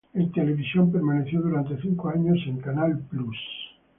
En televisión permaneció durante cinco años en Canal Plus.